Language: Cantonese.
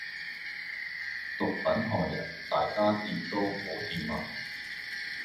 毒品害人，大家掂都唔好掂呀！